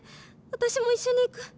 私も一緒に逝く」。